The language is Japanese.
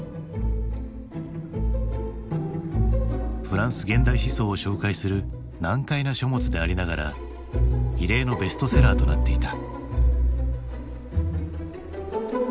フランス現代思想を紹介する難解な書物でありながら異例のベストセラーとなっていた。